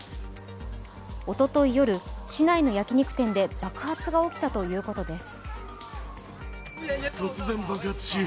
おととい夜、市内の焼き肉店で爆発が起きたということです。